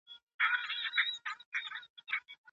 ولې ملي سوداګر کرنیز ماشین الات له ایران څخه واردوي؟